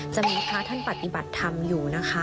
จะมีพระท่านปฏิบัติธรรมอยู่นะคะ